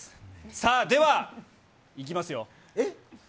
さあ、ではいきますよ。